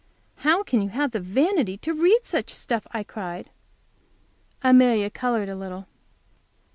"How can you have the vanity to read such stuff?" I cried. Amelia colored a little.